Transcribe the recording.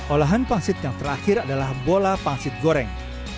olahan pangsit yang terakhir adalah bola pangsit goreng